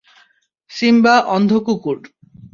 Simba অন্ধ কুকুর।